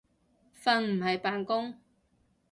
瞓唔係扮工